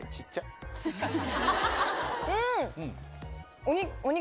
うん！